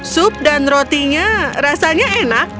sup dan rotinya rasanya enak